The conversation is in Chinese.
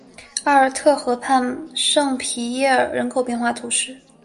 奥尔特河畔圣皮耶尔人口变化图示